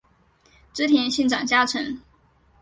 织田信长家臣。